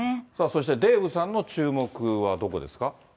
そしてデーブさんの注目はどこですか。